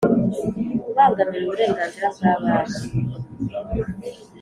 Kubangamira uburenganzira bwa banki